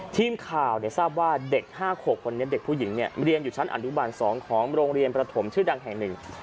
ทีมข่าวที่ทราบว่าเด็ก๕๖คนนี้เรียนอยู่ชั้นอณุบาห์๒ของโรงเรียนประถมชื่อดังแห่ง๑